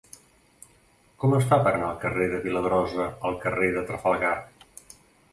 Com es fa per anar del carrer de Viladrosa al carrer de Trafalgar?